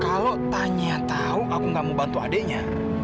kalau tanya tau aku gak mau bantu adeknya